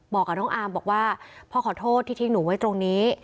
บอกกับน้องอาร์มบอกว่าพ่อขอโทษที่ทิ้งหนูไว้ตรงนี้